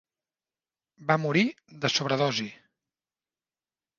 Va morir de sobredosi.